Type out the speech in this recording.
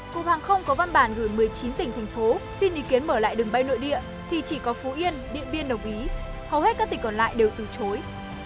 cục hàng không có văn bản gửi một mươi chín tỉnh thành phố xin ý kiến mở lại đường bay nội địa thì chỉ có phú yên điện biên đồng ý hầu hết các tỉnh còn lại đều từ chối